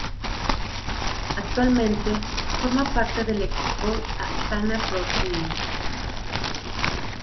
Actualmente forma parte del equipo Astana Pro Team.